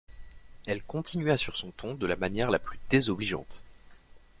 Elle continua sur ce ton de la manière la plus désobligeante.